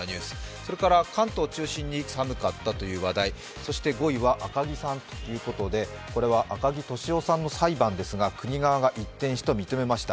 それから関東を中心に寒かったという話題、そして５位は赤木さんということで赤木俊夫さんの裁判ですが国側が一転して認めました。